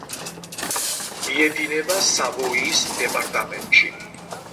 მიედინება სავოიის დეპარტამენტში.